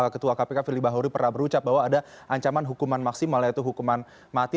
ketua kpk firly bahuri pernah berucap bahwa ada ancaman hukuman maksimal yaitu hukuman mati